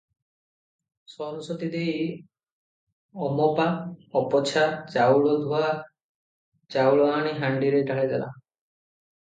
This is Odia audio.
ସରସ୍ୱତୀ ଦେଈ ଅମପା ଅପୋଛା ଚାଉଳଧୂଆଏ ଚାଉଳ ଆଣି ହାଣ୍ଡିରେ ଢାଳିଦେଲେ ।